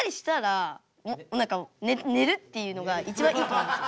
ねるっていうのが一番いいと思います。